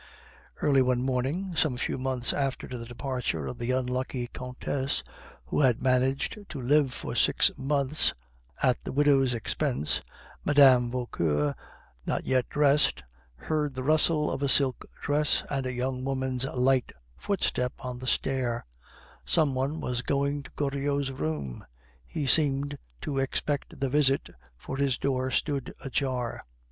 Early one morning, some few months after the departure of the unlucky Countess who had managed to live for six months at the widow's expense, Mme. Vauquer (not yet dressed) heard the rustle of a silk dress and a young woman's light footstep on the stair; some one was going to Goriot's room. He seemed to expect the visit, for his door stood ajar.